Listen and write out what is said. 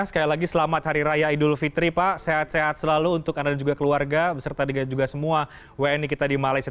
sekali lagi selamat hari raya idul fitri pak sehat sehat selalu untuk anda juga keluarga beserta juga semua wni kita di malaysia